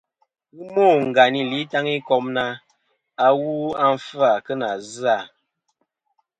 Ghɨ mô ngàyn î lì Itaŋikom na, "awu a nɨn fɨ-à kɨ nà zɨ-à.”.